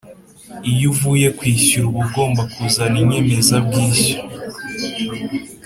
iyo uvuye kwishyura uba ugomba kuzana inyemeza bwishyu